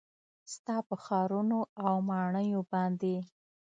ستا په ښارونو او ماڼیو باندې